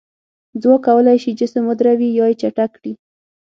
ځواک کولی شي جسم ودروي یا یې چټک کړي.